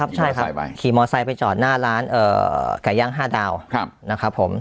ใช่ค่ะขี่มอเซ้ไปจอดหน้าร้านเอ่อก๋วย่างห้าดาวนะครับผม